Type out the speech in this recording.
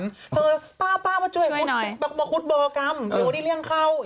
เธอป้ามาช่วยมาขุดบ่อกรรมเดี๋ยวว่าที่เลี่ยงเข้า